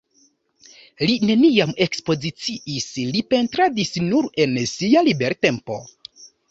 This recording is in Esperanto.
Li neniam ekspoziciis, li pentradis nur en sia libertempo.